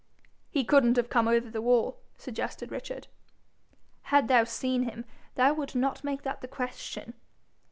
'He couldn't have come over the wall?' suggested Richard. 'Had thou seen him thou would not make that the question.'